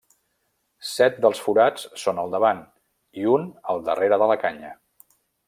Set dels forats són al davant, i un al darrere de la canya.